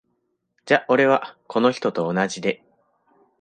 じゃ俺は、この人と同じで。